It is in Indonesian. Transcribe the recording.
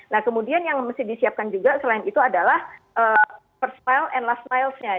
nah kemudian yang mesti disiapkan juga selain itu adalah first mile and last miles nya